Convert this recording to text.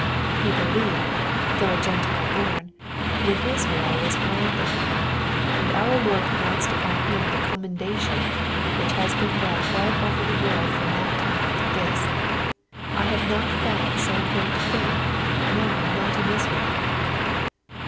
He believed, though a Gentile bom, when Israel was blinded. And our Lord pronounced upon him the commendation, which has been read all over the world from that time to this, " I have not found so great faith, no, not ia Israel."